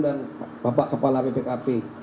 dan bapak kepala bpkp